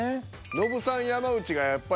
ノブさん山内がやっぱり。